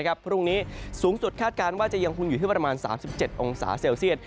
พรุ่งนี้สูงสุดคาดการณ์ว่าจะยังคงอยู่ที่ประมาณ๓๗องศาเซลเซียต